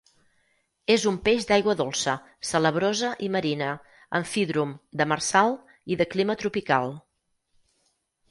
És un peix d'aigua dolça, salabrosa i marina; amfídrom, demersal i de clima tropical.